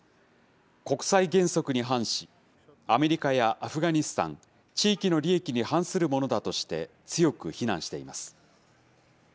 国際原則に反し、アメリカやアフガニスタン、地域の利益に反するものだとして強く非難しています。